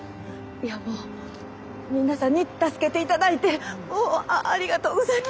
いやもう皆さんに助けていただいてもうありがとうございます。